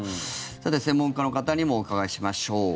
専門家の方にもお伺いしましょう。